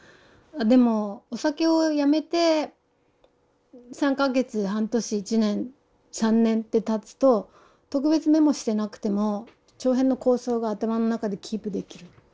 でもお酒をやめて３か月半年１年３年ってたつと特別メモしてなくても長編の構想が頭の中でキープできる。